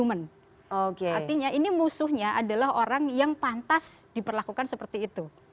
artinya ini musuhnya adalah orang yang pantas diperlakukan seperti itu